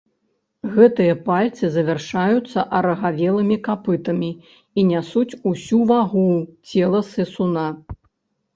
Гэтыя пальцы завяршаюцца арагавелымі капытамі і нясуць усю вагу цела сысуна.